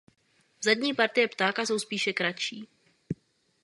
Zadní partie ptáka jsou spíše kratší.